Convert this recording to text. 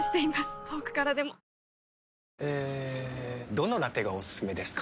どのラテがおすすめですか？